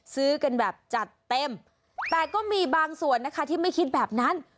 ซื้อกันแบบจัดเต็มแต่ก็มีบางส่วนนะคะที่ไม่คิดแบบนั้น